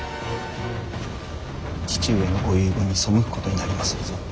父上のご遺言に背くことになりまするぞ。